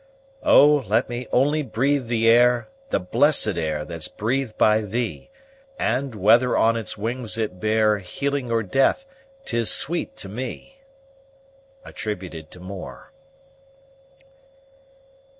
Oh! let me only breathe the air, The blessed air that's breath'd by thee; And, whether on its wings it bear Healing or death, 'tis sweet to me! MOORE.